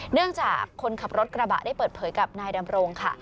เนื่องจากคนขับรถกระบะได้เปิดเผยกับนายดำรงค่ะ